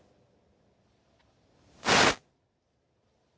saya rasa itu yang bisa saya sampaikan pada kesempatan yang baik ini